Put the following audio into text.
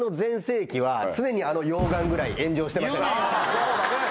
そうだね。